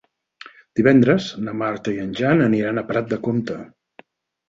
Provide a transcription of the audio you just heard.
Divendres na Marta i en Jan aniran a Prat de Comte.